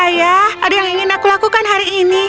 ayah ada yang ingin aku lakukan hari ini